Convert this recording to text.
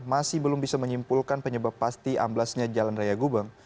masih belum bisa menyimpulkan penyebab pasti amblasnya jalan raya gubeng